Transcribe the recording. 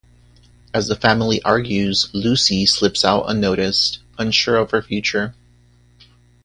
As the family argues, Lucy slips out unnoticed, unsure of her future.